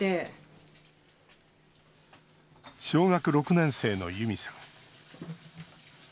小学６年生のユミさん。